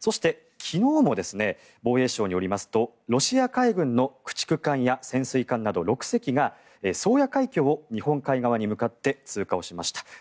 そして昨日も防衛省によりますとロシア海軍の駆逐艦や潜水艦など６隻が宗谷海峡を日本海側に向かって通過をしました。